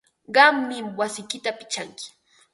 Qammi wasiyki pichanki.